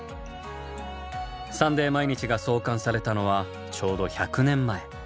「サンデー毎日」が創刊されたのはちょうど１００年前。